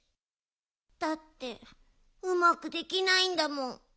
だってうまくできないんだもん。